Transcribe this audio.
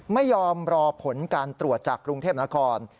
ไม่ยอมรอผลการตรวจจากกรุงเทพนคร